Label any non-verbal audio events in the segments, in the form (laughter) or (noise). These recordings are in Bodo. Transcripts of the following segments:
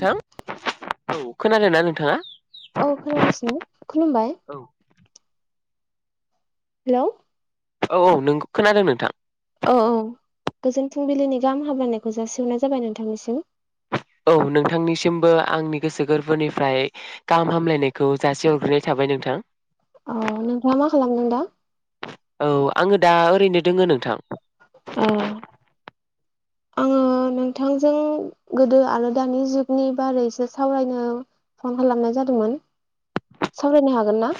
नोंथां औ खोनादों ना नोंथाङा औ खोनागासिनो खुलुमबाय औ हेल' औ औ नों खोनादों नोंथां औ औ गोजोन फुंबिलिनि गाहाम हामनायखौ जासिहरग्रोनाय जाबाय नोंथांनिसिम औ नोंथांनिसिमबो आंनि गोसो गोरबोनिफ्राय गाहाम हामलायनायखौ जासि हरग्रोनाय थाबाय नोंथां अ नोंथाङा मा खालामदों दां औ आङो दा ओरैनो दोङो नोंथां अ आंङो नोंथांजों गोदो आरो दानि जुगनि बारैसो सावरायनो फन खालामनाय जादोंमोन सावरायनो हागोन ना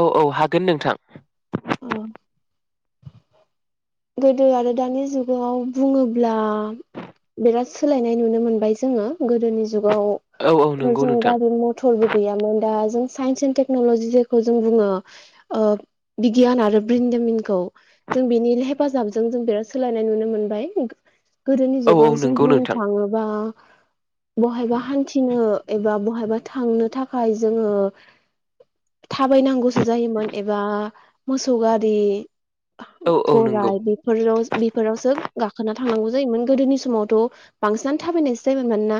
औ औ हागोन नोंथां औ गोदो आरो दानि जुगाव बुङोब्ला बिराद सोलायनाय नुनो मोनबाय जोङो गोदोनि जुगाव औ औ नंगौ जों नोंथां गारि मथरबो गैयामोन दा जों साइन्स एन्ड टेक्न'लजि जेखौ जों बुङो ओ बिगियान आरो ब्रिन्दामिनखौ जों बिनि हेफाजाबजों जों बिराद सोलायनाय नुनो मोनबाय। गोदोनि औ औ जुगाव जों नंगौ बुंनो नोंथां थाङोबा बहायबा हान्थिनो एबा बहायबा थांनो थाखाय जोङो थाबायनांगौ सो जायोमोन एबा मोसौ गारि औ औ नंगौ गराय बेफोराव बेफोरावसो गाखोना थांनांगौ जायोमोन गोदोनि समावथ' बांसिन थाबायनायो जायोन मानोना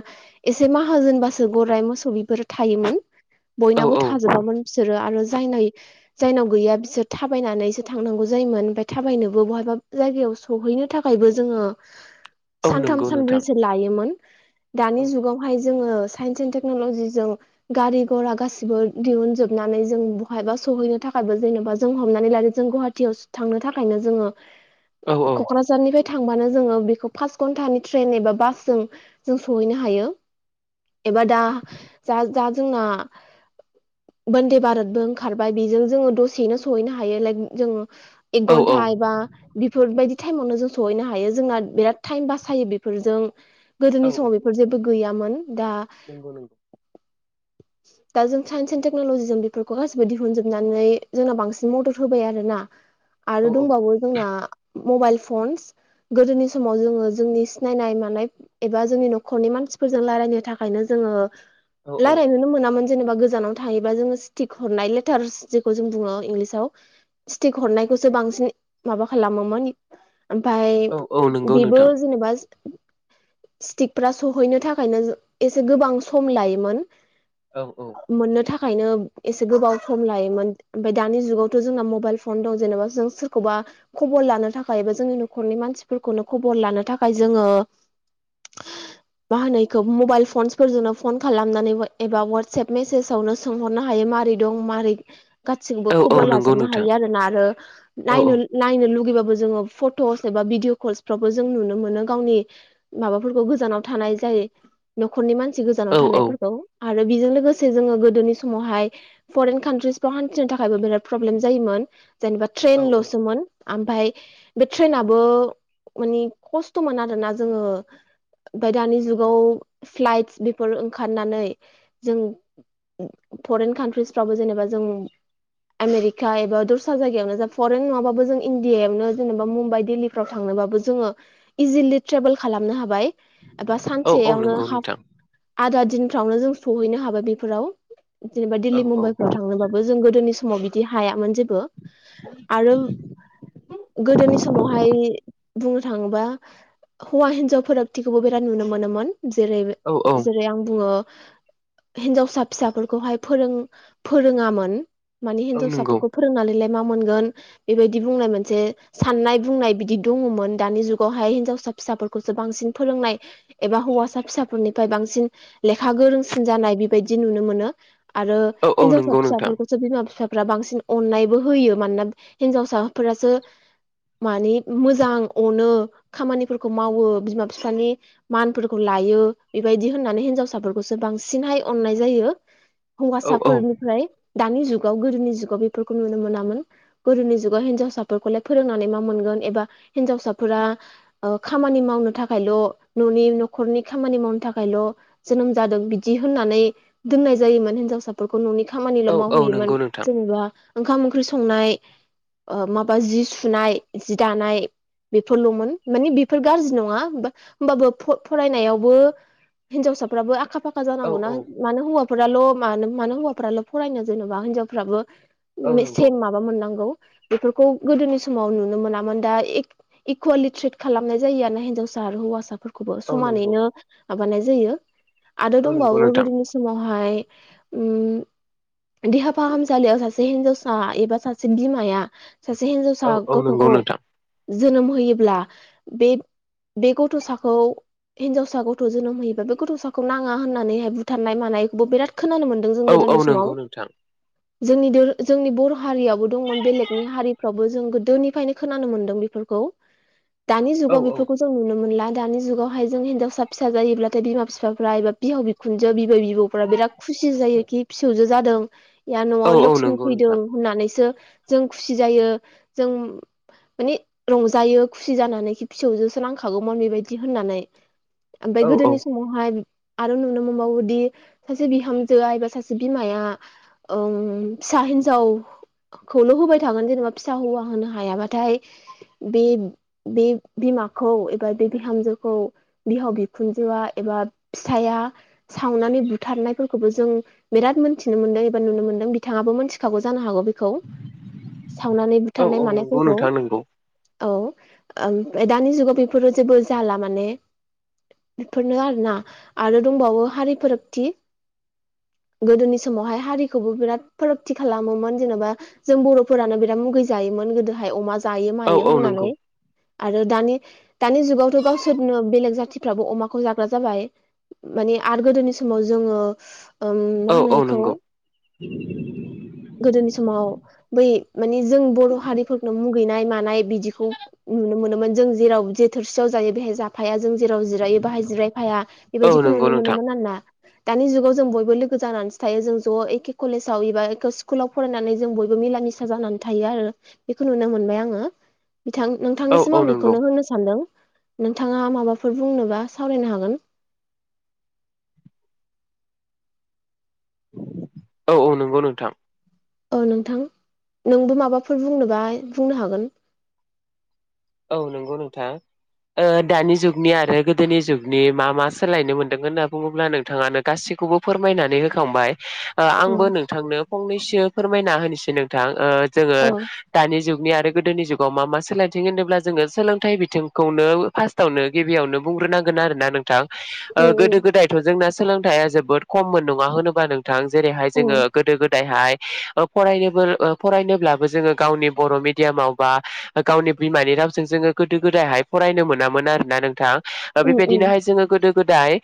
एसे माहाजोनबासो गराय मोसौ बेफोरो थायोमोन। औ बयनावबो थाजोबामोन बिसोरो आरो जायना जायनाव गैया बिसोर थाबायनानैसो थांनांगौ जायोमोन ओमफ्राय थाबायनोबो बहायबा जायगायाव सौहैनो थाखायबो जोङो औ सानथाम नंगौ नोंथां सानब्रैसो लायोमोन। दानि औ जुगावहाय जोङोे साइन्स एन टेक्न'लजिजों जों गारि गरा गासिबो दिहुनजोबनानै जों बहायबा सौहैनो थाखायबो जेन'बा जों हमलानानै जों गुवाहाटी थांनो थाखायनो जोङो औ क'क्राझारनिफ्राय थांबानो जोङो बेखौ पास घन्टानि ट्रेन एबा बासजों जों सौहैनो हायो। एबा दा जा दा जोंना बन्दे भारतबो ओंखारबाय बेजों जोङो दसेनो सौहैनो हायो लाइक जों एक औ औ घन्टा एबा बेफोरबायदि टाइमावनो जों सौहैनो हायो जों बिराद टाइम बासायो बेफोरजों गोदोनि समाव बेफोर जेबो गैयामोन दा नंगौ नंगौ दा जों साइन्स एन्ड टेक्न'ल'जि जों बेफोरखौ गासिबो दिहुनजोबनानै जोंना बांसिन मदद होबाय आरोना आरो औ दंबावो जोंना मबाइल फन्स गोदोनि समाव जोङो जोंनि सिनायनाय मानाय एबा जोंनि न'खरनि मान सिफोरजों रायलायनो थाखायनो जोङो औ रायलायनोनो मोनामोन जेनेबा गोजानाव थायोबा जोङो सिटिक हरनाय लेटार्स जेखौ जों बुङो इंलिस याव स्टिक हरनायखौसो बांसिन माबा खालामोमोन ओमफाय औ औ नंगौ बेबो नोंथां जेनेबा स्टिकफ्रा सहैनो थाखायनो एसे गोबां सम लायोमोन। औ औ मोननो थाखायनो एसे गोबाव सम लायोमोन ओमफ्राय दानि जुगाव जोंना मबाइल फन दं जेनेबा जों सोरखौबा खबर लानो थाखाय बा जोंनि न'खरनि मानसिफोरखौनो खबर लानो थाखाय जोङो मा होनो इखौ मबाइल फनसफोरजोंनो फन खालामनानै एबा वाट्सएप मेसेजावनो सोंहरनो हायो मा मारै दं मारै गासैनोबो औ औ खबर नंगौ लाजाबनो नोंथां होयो आरोना आरो औ औ नायनो नायनो लुुगैबाबो जोङो फट'स एबा भिदिअ कल्सफ्रावबो जों नुनो मोनो गावनि माबाफोरखौ गोजानाव थानाय जाय न'खरनि मानसि गोजानाव औ औ औ थानायफोरखौ। आरो बेजों लोगोसे जोङो गोदोनि समावहाय फरेन कान्ट्रिसफ्राव हान्थिनो थाखायबो बिराद प्रब्लेम जायोमोन जेनेबा औ ट्रेनल'सोमोन। ओमफाय बे ट्रेनाबो मानिे खस्थ'मोन आरोना जोङो ओमफाय दानि जुगाव फ्लाइटस बेफोर ओंखारनानै जों फरेन कान्ट्रिसफ्रावबो जेनेबा जों आमेरिका एबा दस्रा जायगायावनो जा फरेन नङाबो जों इण्डियायावनो जेनेबा मुम्बाइ दिल्लीफ्राव थांनोबा बो जोङो इजिलि ट्रेभेल खालामनो हाबाय एबा औ औ सानसेयावनो नंगौ हाब नोंथां आदा दिनफ्रावनो जों सौहैनो हाबाय बेफोराव जेनेबा दिल्ली औ औ मुम्बाइफ्राव थांनोबाबो जों गोदोनि समाव बिदि हायामोन जे बो आरो गोदोनि समावहाय बुंनो थाङोबा हौवा हिनजाव फारागथिखौबो बिराद नुनो मोनोमोन। जेरै औ औ जेरै आं बुङो हिनजावसा फिसाफोरखौहाय फोरों फोरोङामोन मानि औ नंगौ हिन्जावसाफोरखौ फोरोंनानैलाय मा मोनगोन बेबायदि बुंनाय मोनसे साननाय बुंनाय बिदि दङमोन दानि जुगावहाय हिनजावसा फिसाफोरखौसो बांसिन फोरोंनाय एबा हौवासा फिसाफोरनिफ्राय बांसिन लेखा गोरोंसिन जानाय बेबायदि नुनो मोनो आरो औ औ हिनजावसा नंगौ नोंथां फिसाफोरखौ बिमा बि फिसाफ्रा बांसिन अननायबो होयो मानोना हिनजावसाफोरासो मानि मोजां अनो खामानिफोरखौ मावो बिमा बिफानि मानफोरखौ ला यो बेबायदि होननानै हिनजावसाफोरखौसो बांसिनहाय अननाय जायो औ औ हौवासाफोरनिफ्राय दानि जुग गोदोनि जुगाव बेफोरखौ नुनो मोनामोन गोदोनि जुगाव हिनजावसाफोरखौलाय फोरोंनानै मा मोनगोन एबा हिन्जावसाफोरा खामानि मावनो थाखायल' न'नि न'खरनि खामानि मावनो थाखायल' जोनोम जादों बिदि होननानै दोननाय जायोमोन हिनजावसाफोरखौ न'नि खामानिल' औ औ मावहैयोमोन नंगौ नोंथां जेनेबा ओंखाम ओंख्रि संनाय माबा जि सुनाय जि दानाय बेफोरल'मोन मानिे बेफोर गाज्रि नंङा होमबाबो फरायनायावबो हिन्जावसाफ्राबो आखा फाखा औ जानांगौनाा औ मानो हौवाफोराल' मानो मानो हौवाफोराल' फरायनो जेने बा हिनजावफ्राबो औ नंगौ सेम माबा मोननांगौ बेफोरखौ गोदोनि समाव नुनो मोनामोन दा इकुवेलि ट्रिट खालामनाय जायो आरोा हिनजावसा हौवसाफोरखौ खौबो औ नंगौ समानैनो माबानाय जायो आरो औ नंगौ दंबावो नोंथां गोदोनि समावहाय उम देहा फाहामसालियाव सासे हिनजावसा एबा सासे बिमाया सासे औ हिनजावसा औ नंगौ गथ'खौ नोंथां जोनोम होयोब्ला बे बे गथ'साखौ हिनजावसा गथ' जोनोम होयोा बे गथ'साखौ नांङा होननानैहाय भुटाननाय मानायखौबो बिराद खोनानो मोन्दों जों औ औ गोदोनि नंगौ समाव नोंथां जोंनि जोंनि बर' हारियो दंमोन बेलेगनि हारिफ्रावबो जों गोदोनिफ्रायनो खोनानो मोनदों बेफोरखौ दानि औ जुगाव औ बेफोरखौ जों नुनो मोनला दानि जुगावहाय जों हिनजावसा फि जायोब्लाथाय बिमा बिफाफ्रा एबा बिहाव बिखुनजो बिबै बिबौफ्रा बिराद खुसि खुसि जायोखि फिसौजो जादों औ न'आव औ लक्ष्मि नंगौ फैदों नोंथां होननानैसो जों खुसि जायो जों माने रंजायो खुसि जानानैखि फिसौजोंसो नांखागौमोन बेबायदि होननानै ओमफ्राय औ औ गोदोनि समावहाय आरो नुनो मोनबावोदि सासे बिहामजोआ एबा सासे बिमाया ओं फिसा हिन्जाव खौल' होबाय थागोन जेनेबा फिसा हौवा होनो हायाबाथाय बे बे बिमाखौ एबा बे बिहामजोखौ बिहाव बिखुनजोआ एबा फिसाया सावनानै बुथारनायफोरखौबो जों बिराद मोनथिनो मोनदों नुनो बिथांङा मोनथिखागौ जानो हागौ बेखौ सावनानै औ बुथारनाय औ नंगौ मानायफोरखौ नोंथां नंगौ औ दानि जुगाव बेफोरो जेबो जाला माने बेफोरनो आरोना आरो दंबावो हारि फोरागथि गोदोनि समावहाय हारि फाराग खालमोमोन जेनेबा जों बर' फोरानो बिराद मुगै जायोमोन अमा जायो औ मायो औ नंगौ होननानै आरो दानि दानि जुगावथ' गावसोरनो बेलेग जाथिफ्राबो अमाखौ जाग्रा जाबाय माने आरो गोदोनि समाव जोंङो औ - औ नंगौ गोदोनि समाव बै मानिे जों बर' हारिफोरनो मु नाय मानाय बिदिखौ नुनो मोन जों जेराव जों थोरसियाव जायो बेयाव जाफाया जों जेराव जिरायो बाहाय जिरायफाया औ बेबायदििखौ नंगौ नुनो नोंथां मोनोमोन आरोना दानि जुगाव जों बयबो लोगो जानानैसो थायो जों ज' एखे कलेजाव एबा स्कुलाव फरायनानै जों बयबो मिला मिसा जानानै थायो आरो बेखौ नुनो मोनबाय आंङो बिथां औ नोंथांनिसिम औ आं नंगौ बेखौनो होननो सानदों नोंथाङा माबाफोर बुंनोबा सावरायनो हागोन औ औ नंगौ नोंथां औ नोंथां नोंबो माबाफोर बुंनोबा बुंनो हागोन औ नंगौ नोंथां दानि जुगनि आरो गोदोनि जुगनि मा मा सोलायनो मोनदों होनना बुङोब्ला नोंथाङानो गासिब खौबो फोरमायनानै होखांबाय अ आंबो नोंथांनो फंनैसो फोरमायना होनोसै नोंथां जोङो अ दानि जुगनि आरो गोदोनि जुगाव मा मा सोलायदों होनदों अब्ला जोङो सोलोंथाइ बिथिंखौनो फार्स्टआवनो गिबियावनो बुंग्रोनांगोन आरो ना नोंथां उम गोदो उम गोदायथ' जोंना सोलोंथाइया जोबोद खममोन नङा होनबा नों थां जेरैहाय जोङो उम गोदो गोदायहाय फरायनो फरायनोब्लाबो जोङो गावनि बर' मिडियामाव बा गावनि बिमानि जोङो गोदो गोदायहाय फरायनो मोनामोन आरो ना नोंथां उम उम बेबायदिनोहाय जोङो गोदो गोदाय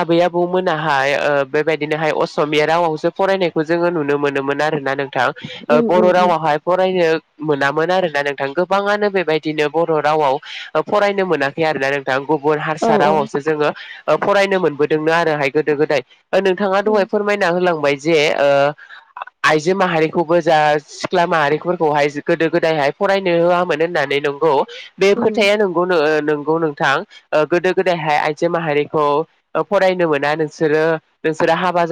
आबै आबौमोनाहाय बेबायदिनोहाय असमिया रावावसो फरायनाय खौ जोङो नुनो मोनोमोन आरोना नों थां उम बर' उम उम रावावहाय फरायनो मोनामोन आरोना नोंथां गोबाङानो बेबायदिनो बर' रावाव फरायनो मोनाखै आरोना नोंथां गुबुन औ हारसा औ रावावसो जोङो फरायनो मोनबोदोंनो आरोहाय गोदो गोदाय नोंथाङा दहाय उम फोरमायना होलांबाय जे आइजो माहारिखौबो जा सिख्ला माहारिफोरखौहाय गोदो गोदायहाय फरायनो होआ मोन होननानै नंगौ बे खोथाया नंगौ नोंथां गोदो गोदायहाय आइजो माहारिखौ फरायनो मोना नोंसोरो नोंसोरो हाबा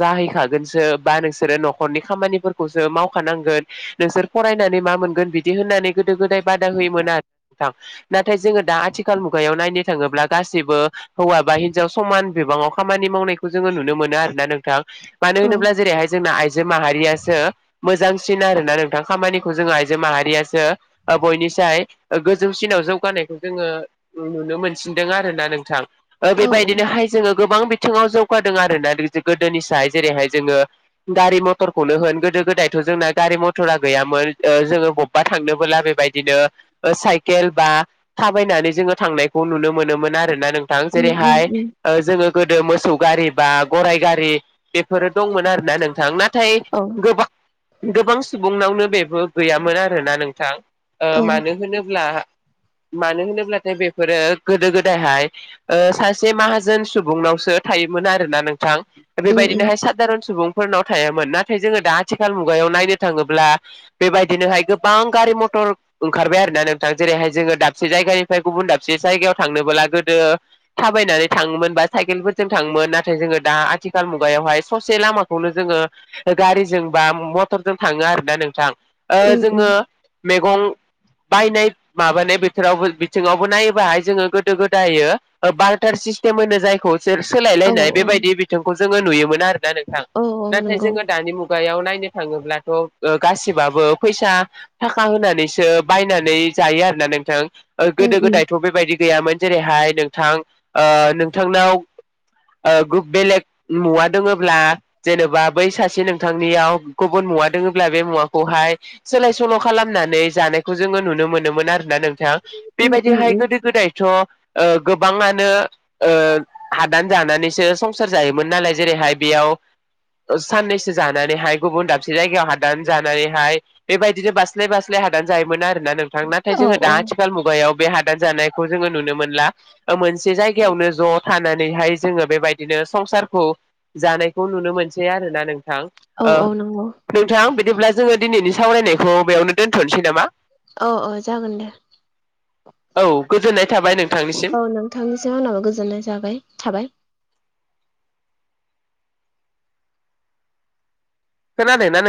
जाहैखागोनसो बा नोंसोरो न'खरनि खामानिफोरखौसो मावखानांगोन नोंसोर फरायनानै मा मोनगोन बिदि होननानै गोदो गोदाय बादा होयोमोन आरो नाथाय जोङो दा आथिखाल मुगायाव नायनो थाङोब्ला गासिबो हौवा बा हिनजाव समान बिबाङाव खामानि मावनायखौ जोङो नुनो मोनो आरोना नोंथां मानो औ होनोब्ला जेरैहाय जोंना आइजो माहारियासो मोजां सिन आरोना नोंथां खामानिखौ जोङो आइजो माहारियासो बयनिसाय गोजौसिनाव जौगानायखौ जोङो नुनो मोनसिनदों आरोना नोंथां औ बेबायदिनोहाय जोङो गोबां बिथिङाव जौगादों आरोना गोदोनिसाय जेरैहाय जोङो गारि मटरखौनो होन गोदो गोदायथ' जोंना गारि मथरा गैयामोन जोङो बबेबा थांनो बेबायदिनो साइकेल बा थाबायनानै जोङो थांनायखौ नुनो मोनोमोन आरोना नोंथां उम उम जेरैहाय उम जोङो गोदो मोस मोसौ गारि बा गराय गारि बेफोरो दंमोन आरोना नोंथां नाथाय औ गोबां गोबां सुबुंनावनो बेबो गैयामोन आरोना नोंथां औ ओ मानो होनोब्ला (inaudible) मानो होनोब्लाथाय बेफोरो गोदो गोदायहाय सासे माहाजोन सुबुंनावसो थायो मोन आरोना नोंथां उम उम बेबायदिनोहाय सादारन सुबुं फोरनाव थायामोन नाथाय जोङो दा आथिखाल मुगायाव नायनो थाङोब्ला बेबायदिनोहाय गोबां गारि मटर ओंखारबाय आरोना नोंथां जेरैहाय जोङो दाबसे जायगानिफ्राय गुबुन दाबसे जायगायाव थांनोबोला गोदो थाबायनानै थाङोमोन बा साइकेलफोरजों थाङोमोन नाथाय जोङो दा आथिखाल मुगायावहाय ससे लामा खौनो जोङो गारिजों बा मटरजों थाङो आरोना नोंथां उम जोङो उम (inaudible) बायनाय माबानाय बोथोरावबो बिथिङावबो नायोबाहाय जोङो गोदो गोदाय बाल्टार सिस तेम बुङो जायखौ बि औ सोलायलायनाय औ बेबायदि बिथिंखौ जोङो नुयोमोन आरोना नोंथां औ औ नाथाय नंगौ जोङो दानि मुगा खुगायाव नायनो थाङोब्लाथ' गासिबाबो फैसा थाखा होनानैसो बायनानै जायो आरोना नोंथां उम गोदो उम गोदायथ' बेबायदि गैयामोन जेरैहाय नोंथां नोंथांनाव ओ गु बेलेग मुवा दोङोब्ला जेनेबा बै सासे नोंथांनियाव गुबुन मुवा दोङोब्ला बे मुवाखौहाय सोलाय सोल' खालामनानै जानायखौ जोङो नुनो मोनोमोन आरोना नों थां उम उम बेबायदिहाय उम गोदो गोदायथ' ओ गोबाङानो ओ हादान जानानैसो संसार जायोमोन नालाय जेरैहाय बेयाव याव ओ साननैसो जानानैहाय गुबुन दाबसे जायगायाव हादान जानानैहाय बेबायदि बिदिनो बास्लाय बास्लाय हादान जायोमोन होनना नोंथां नाथाय औ जोङो दा औ आथिखाल मुगायाव बे हादान जानायखौ जोङो नुनो मोनला। ओ मोनसे जायगायावनो ज' थानानैहाय जोङो बेबायदिनो संसारखौ जानायखौ नुनो मोनसै आरोना नों थां औ ओ औ नंगौ नोंथां बिदिब्ला जोङो दिनैनि सावरायनायखौ बेयावनो दोनथ'नोसै नामा? औ औ जागोन दे औ गोजोननाय थाबाय नोंथांनिसिम औ नोंथांनिसिम आंनाबो गोजोननाय जाबाय थाबाय। खोनादों ना नों